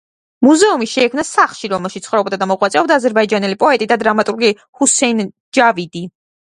მუზეუმი შეიქმნა სახლში, რომელშიც ცხოვრობდა და მოღვაწეობდა აზერბაიჯანელი პოეტი და დრამატურგი ჰუსეინ ჯავიდი.